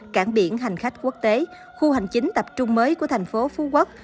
cảng biển hành khách quốc tế khu hành chính tập trung mới của thành phố phú quốc